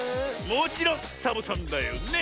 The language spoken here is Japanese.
もちろんサボさんだよね！